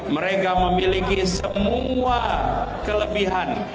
mereka memiliki semua kelebihan